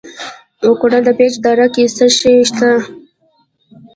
د کونړ په پيچ دره کې څه شی شته؟